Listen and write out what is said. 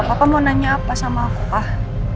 papa mau nanya apa sama aku ah